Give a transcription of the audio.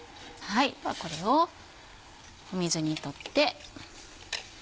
これを水に取って。